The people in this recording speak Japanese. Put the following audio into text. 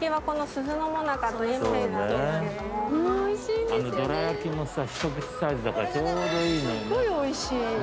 すっごいおいしい。